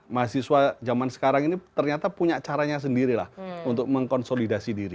mahasiswa zaman sekarang ini ternyata punya caranya sendiri lah untuk mengkonsolidasi diri